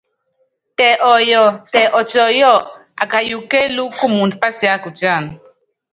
Tɛ ɔyɔ, tɛ ɔtiɔ́yɔ́ɔ, akayuku kélúkú kumuundɔ pásiákutíána.